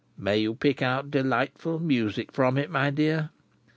May you pick out delightful music from it, my dear!